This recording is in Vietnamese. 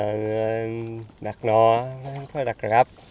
thường thường ở đây là đặt lú hoặc là văn lưới đặt nò đặt rạp